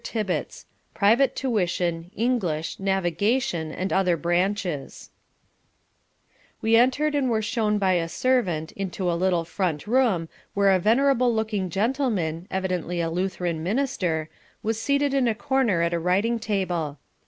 TIBBITS Private Tuition, English, Navigation, and other Branches We entered and were shown by a servant into a little front room where a venerable looking gentleman, evidently a Lutheran minister, was seated in a corner at a writing table.